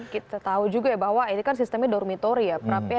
kita tahu juga ya bahwa ini kan sistemnya dormitori ya